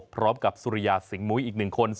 พร้อมกับสุริยสิงห์มุ้ยอีกหนึ่งคน